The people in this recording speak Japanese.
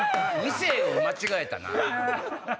店を間違えたな。